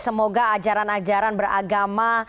semoga ajaran ajaran beragama